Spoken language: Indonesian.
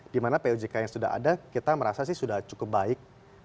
dimana pojk yang sudah ada kita merasa sih sudah cukup baik